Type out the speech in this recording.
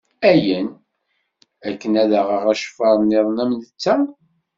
Ayen? Akken ad aɣeɣ aceffar niḍen am netta?